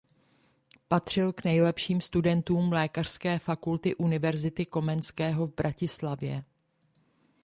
Patřil k nejlepším studentům Lékařské fakulty Univerzity Komenského v Bratislavě.